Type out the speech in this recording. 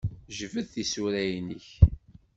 Jbed-d tisura-nnek.